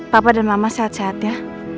papa dan mama sehat sehat ya